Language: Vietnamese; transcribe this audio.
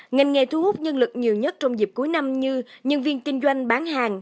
ngành nghề thu hút nhân lực nhiều nhất trong dịp cuối năm như nhân viên kinh doanh bán hàng